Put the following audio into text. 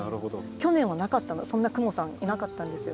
去年はなかったのそんなクモさんいなかったんですよ。